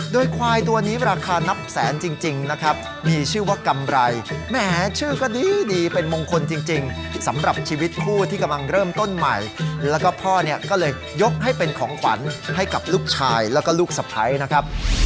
โดยควายตัวนี้ราคานับแสนจริงนะครับมีชื่อว่ากำไรแหมชื่อก็ดีเป็นมงคลจริงสำหรับชีวิตผู้ที่กำลังเริ่มต้นใหม่แล้วก็พ่อเนี่ยก็เลยยกให้เป็นของขวัญให้กับลูกชายแล้วก็ลูกสะพ้ายนะครับ